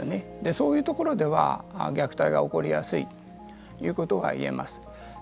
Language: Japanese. そういうところでは虐待が起こりやすいということが言えます。